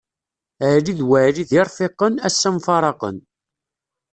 Ɛli d Weɛli d irfiqen, assa mfaraqen.